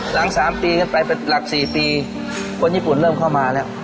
หลัง๓ปีขึ้นไปเป็นหลัก๔ปีคนญี่ปุ่นเริ่มเข้ามาแล้ว